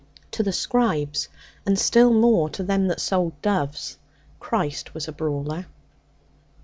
To the scribes, and still more to them that sold doves, Christ was a brawler.